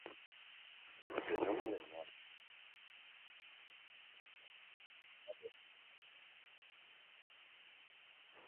El nombre no ha sido usado excepto en discusiones históricas y considerado "nomen dubium".